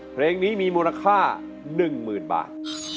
เพลงนี้มีมูลค่าหนึ่งหมื่นบาท